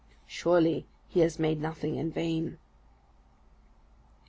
Surely He has made nothing in vain.